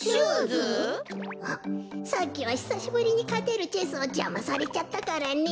こころのこえさっきはひさしぶりにかてるチェスをじゃまされちゃったからね。